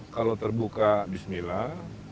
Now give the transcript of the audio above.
kalau terbuka bismillah